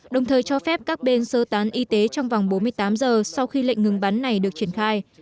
đồng thời cho phép các bên sơ tán y tế trong vòng bốn mươi tám giờ sau khi lệnh ngừng bắn này được triển khai